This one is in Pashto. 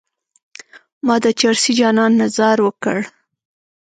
ما د چرسي جانان نه ځار وکړ.